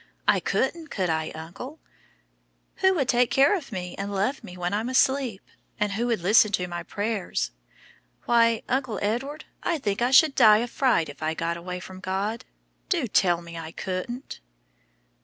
I couldn't, could I, uncle? Who would take care of me and love me when I'm asleep? And who would listen to my prayers? Why, Uncle Edward, I think I should die of fright if I got away from God. Do tell me I couldn't."